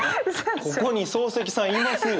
ここに漱石さんいますよ。